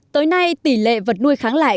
tới nay tỷ lệ vật nuôi kháng lại